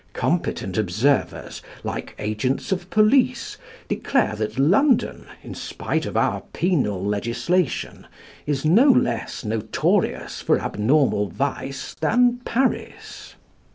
Competent observers, like agents of police, declare that London, in spite of our penal legislation, is no less notorious for abnormal vice than Paris.